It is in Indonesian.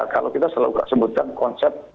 kalau kita selalu sebutkan konsep